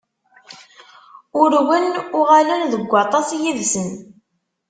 Urwen, uɣalen deg waṭas yid-sen.